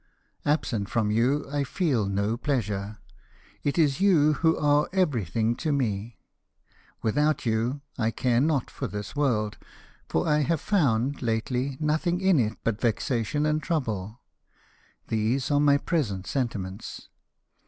Absent from you, I feel no pleasure : it is you who are everything to me. Without you, I care not for this world ; for I have found, lately, nothing in it but vexation and trouble. These are my present sentiments.